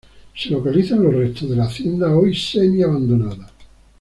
Se localizan los restos de la hacienda hoy semi-abandonada.